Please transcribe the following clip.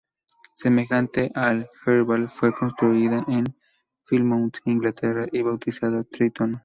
Semejante al "Herval", fue construida en Plymouth, Inglaterra, y bautizada "Tritón".